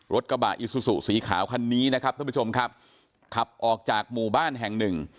รถกระบะอิซูซูสีขาวคันนี้นะครับท่านผู้ชมครับขับออกจากหมู่บ้านแห่งหนึ่ง